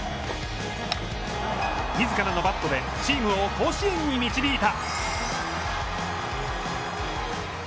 みずからのバットでチームを甲子園に導いた！